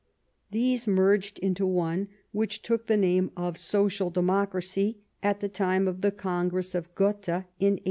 These merged into one, which took the name of Social Democracy at the time of the Congress of Gotha in 1875.